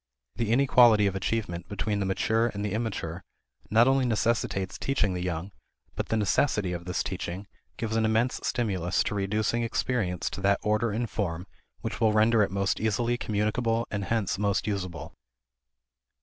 The inequality of achievement between the mature and the immature not only necessitates teaching the young, but the necessity of this teaching gives an immense stimulus to reducing experience to that order and form which will render it most easily communicable and hence most usable.